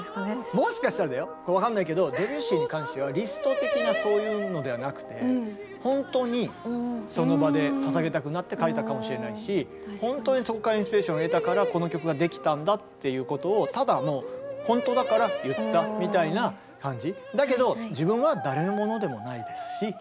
もしかしたらだよ分かんないけどドビュッシーに関してはリスト的なそういうのではなくて本当にその場でささげたくなって書いたかもしれないし本当にそこからインスピレーションを得たからこの曲ができたんだっていうことをただもう本当だから言ったみたいな感じ。